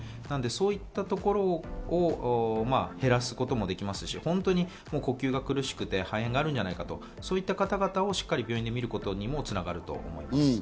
そういったところを減らすこともできますし、呼吸が苦しくて肺炎があるんじゃないかという方々をしっかり病院で診ることにもつながると思います。